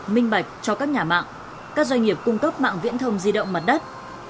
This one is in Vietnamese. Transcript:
minh bạch cho các nhà mạng các doanh nghiệp cung cấp mạng viễn thông di động mặt đất